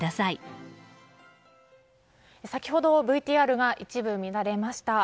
先ほどＶＴＲが一部乱れました。